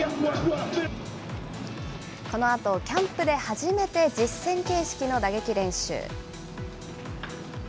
このあと、キャンプで初めて実戦形式の打撃練習。